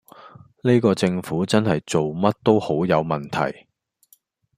呢個政府真係做乜都好有問題